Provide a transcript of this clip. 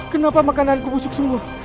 kenapa makanan ku busuk semua